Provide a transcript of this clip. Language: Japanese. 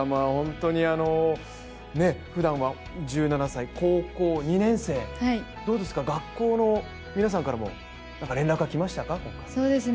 ふだんは１７歳、高校２年生、どうですか、学校の皆さんからも何か、連絡は来ましたか？